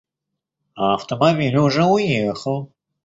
А автомобиль уже уехал.